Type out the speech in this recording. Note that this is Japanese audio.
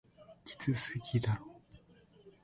きつすぎだろ